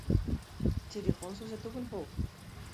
Телефон сүзе түгел бу!